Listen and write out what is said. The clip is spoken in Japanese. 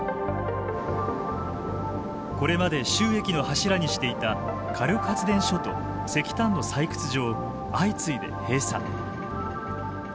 これまで収益の柱にしていた火力発電所と石炭の採掘場を相次いで閉鎖。